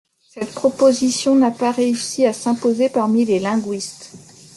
Cette proposition n'a pas réussi à s'imposer parmi les linguistes.